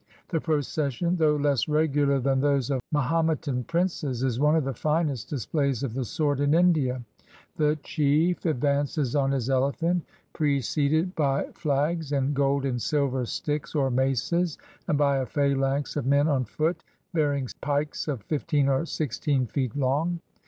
The procession, though less regular than those of Mahometan princes, is one of the finest displays of the sort in India. The chief advances on his elephant, preceded by flags and gold and silver sticks or maces, and by a phalanx of men on foot bearing pikes of fifteen or sixteen feet long.